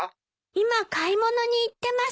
今買い物に行ってます。